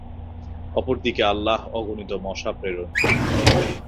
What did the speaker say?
অপর দিকে আল্লাহ অগণিত মশা প্রেরণ করলেন।